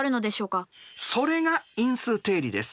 それが因数定理です。